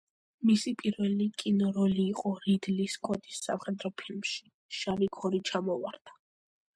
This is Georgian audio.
მისი პირველი კინოროლი იყო რიდლი სკოტის სამხედრო ფილმში „შავი ქორი ჩამოვარდა“.